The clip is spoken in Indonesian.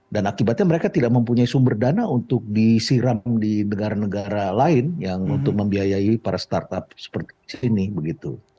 dan akibatnya mereka tidak mempunyai sumber dana untuk disiram di negara negara lain yang untuk membiayai para startup seperti ini